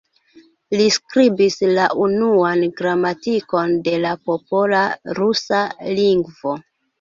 Li skribis la unuan gramatikon de la popola rusa lingvo.